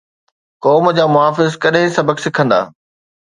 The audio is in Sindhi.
قوم جا محافظ ڪڏھن سبق سکندا؟